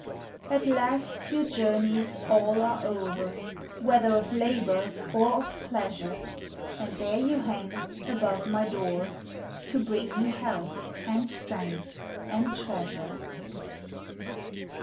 At last your journeys all are o'er, Whether of labor or of pleasure, And there you hang above my door, To bring me health and strength and treasure.